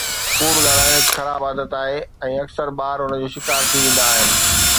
ڪوڙ ڳالهائڻ هڪ خراب عادت آهي ۽ اڪثر ٻار ان جو شڪار ٿي ويندا آهن